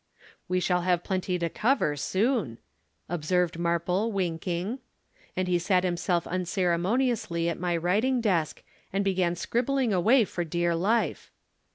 "'"We shall have plenty to cover soon," observed Marple winking. And he sat himself unceremoniously at my writing desk and began scribbling away for dear life.